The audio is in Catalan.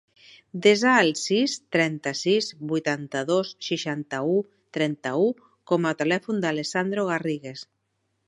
Desa el sis, trenta-sis, vuitanta-dos, seixanta-u, trenta-u com a telèfon de l'Alessandro Garrigues.